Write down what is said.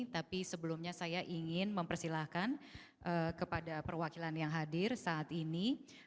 tapi sebelumnya saya ingin mempersilahkan kepada perwakilan yang hadir saat ini